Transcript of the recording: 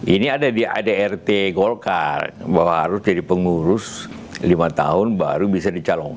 ini ada di adrt golkar bahwa harus jadi pengurus lima tahun baru bisa dicalonkan